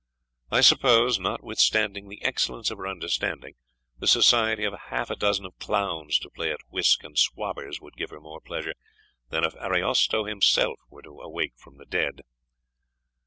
I suppose, notwithstanding the excellence of her understanding, the society of half a dozen of clowns to play at whisk and swabbers would give her more pleasure than if Ariosto himself were to awake from the dead."